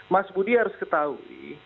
mas budi harus ketahui